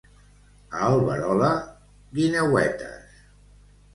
A Alberola, guineuetes.